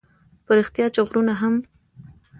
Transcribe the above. په رښتیا چې غرونه هم